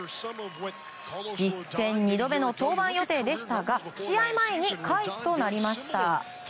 実戦２度目の登板予定でしたが試合前に回避となりました。